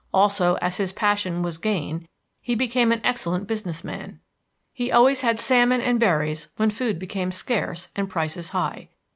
Also, as his passion was gain, he became an excellent business man. He always had salmon and berries when food became scarce and prices high.